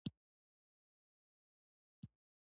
د دولت اقتصادي ځواک د نفوذ په وړتیا کې دی